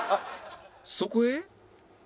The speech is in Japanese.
そこへ